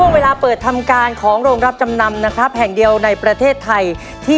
เวลาเปิดทำการของโรงรับจำนำนะครับแห่งเดียวในประเทศไทยที่